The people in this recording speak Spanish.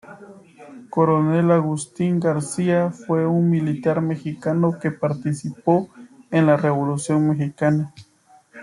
Coronel Agustín García fue un militar mexicano que participó en la Revolución mexicana.